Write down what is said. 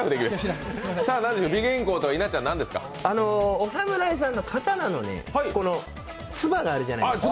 お侍さんの刀のつばがあるじゃないですか。